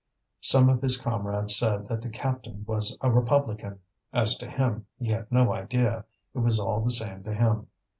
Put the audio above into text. Some of his comrades said that the captain was a republican; as to him, he had no idea it was all the same to him.